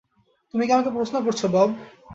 তুমি কি আমাকে প্রশ্ন করছো, বব?